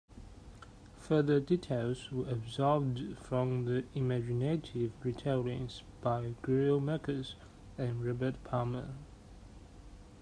Further details were absorbed from the imaginative retellings by Greil Marcus and Robert Palmer.